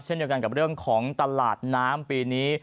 เช่นเดียวกันกับเรื่องของตลาดน้ำปีนี้